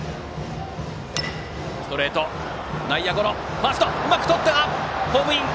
ファーストがうまくとったがホームイン！